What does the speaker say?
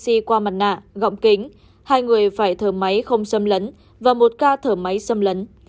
tám mươi ca phải thở oxy qua mặt nạ gọng kính hai người phải thở máy không xâm lấn và một ca thở máy xâm lấn